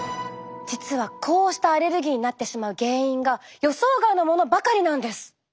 実はこうしたアレルギーになってしまう原因が予想外のものばかりなんです。